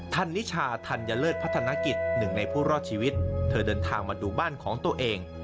นิชาธัญเลิศพัฒนกิจหนึ่งในผู้รอดชีวิตเธอเดินทางมาดูบ้านของตัวเอง